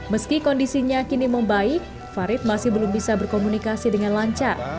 meski kondisinya kini membaik farid masih belum bisa berkomunikasi dengan lancar